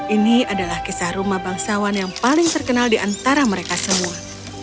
ini adalah kisah rumah bangsawan yang paling terkenal di antara mereka semua